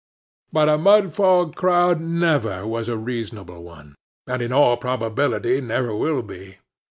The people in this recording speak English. But a Mudfog crowd never was a reasonable one, and in all probability never will be.